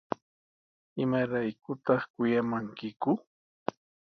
¿Imaraykutaq kuyamankiku?